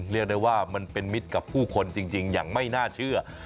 เรียกได้ว่ามันเป็นมิตรกับผู้คนจริงอย่างไม่น่าเชื่อ